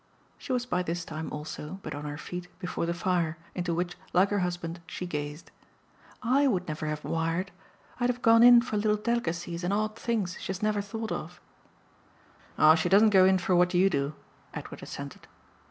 She was by this time also but on her feet before the fire, into which, like her husband, she gazed. "I would never have wired. I'd have gone in for little delicacies and odd things she has never thought of." "Oh she doesn't go in for what you do," Edward assented.